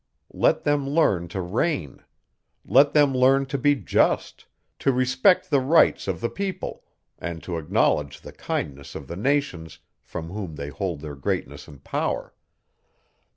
Let them learn to reign; let them learn to be just; to respect the rights if the people; and to acknowledge the kindness of the nations, from whom they hold their greatness and power.